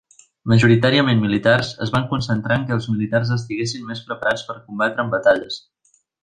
Majoritàriament militars, es van concentrar en què els militars estiguessin més preparats per combatre en batalles.